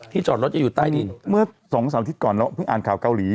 ที่จอดรถจะอยู่ใต้ดินเมื่อสองสามทิศก่อนเราเพิ่งอ่านข่าวเกาหลี